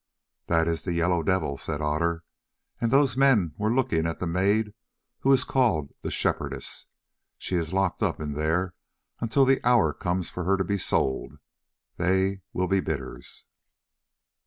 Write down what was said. "That is the Yellow Devil," said Otter, "and those men were looking at the maid who is called the Shepherdess. She is locked up there until the hour comes for her to be sold. They will be the bidders."